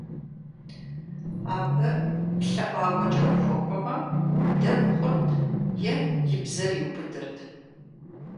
Абы лъэӀуакӀуэ ухуэкӀуэмэ, дэгу хъурт, е и бзэр иубыдырт.